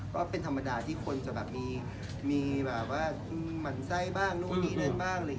ก็เป็นธรรมดาที่คนจะแบบมีแบบว่ามันไส้บ้างนู่นนี่นั่นบ้าง